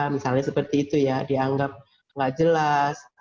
misalnya seperti itu ya dianggap nggak jelas